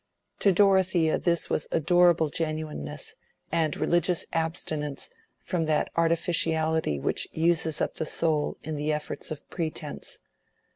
To Dorothea this was adorable genuineness, and religious abstinence from that artificiality which uses up the soul in the efforts of pretence.